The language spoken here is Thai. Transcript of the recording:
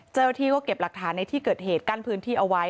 เจ้าหน้าที่ก็เก็บหลักฐานในที่เกิดเหตุกั้นพื้นที่เอาไว้